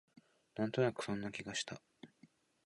なんとなくそんな気がした